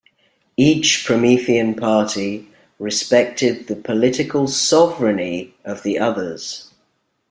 Each Promethean party respected the political sovereigny of the others.